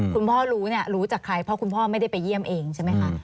คุณพ่อรู้เนี่ยรู้จากใครเพราะคุณพ่อไม่ได้ไปเยี่ยมเองใช่ไหมคะ